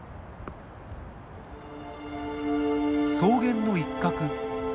草原の一角。